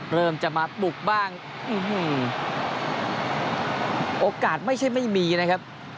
เริ่มจะมาปลุกบ้างโอกาสไม่ใช่ไม่มีนะครับ